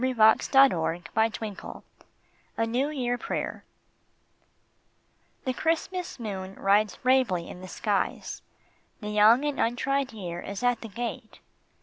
A NEW YEAR PRAYER 133 A NEW YEAR PRAYER THE Christmas moon rides bravely in the skies, The young and untried year is at the gate.